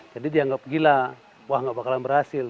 jadi dianggap gila wah nggak bakalan berhasil